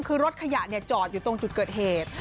คือรถขยะจอดอยู่ตรงจุดเกิดเหตุ